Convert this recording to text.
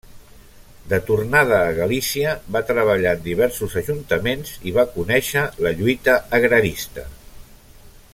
De tornada a Galícia, va treballar en diversos ajuntaments i va conèixer la lluita agrarista.